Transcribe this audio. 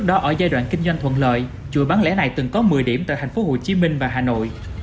bộ xây dựng thuận lợi chuỗi bán lễ này từng có một mươi điểm tại thành phố hồ chí minh và hà nội